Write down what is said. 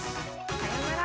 さようなら。